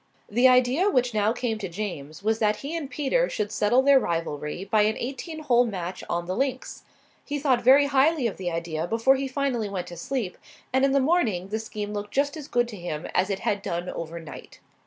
The idea which now came to James was that he and Peter should settle their rivalry by an eighteen hole match on the links. He thought very highly of the idea before he finally went to sleep, and in the morning the scheme looked just as good to him as it had done overnight.